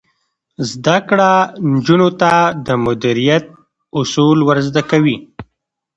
زده کړه نجونو ته د مدیریت اصول ور زده کوي.